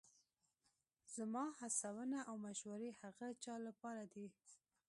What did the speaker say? زما هڅونه او مشورې هغه چا لپاره دي